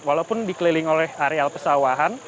walaupun dikeliling oleh areal pesawahan